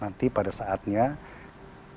nanti pada saatnya nanti pada saatnya